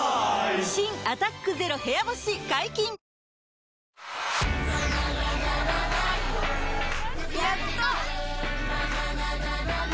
新「アタックＺＥＲＯ部屋干し」解禁‼いい汗。